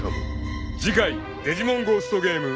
［次回『デジモンゴーストゲーム』］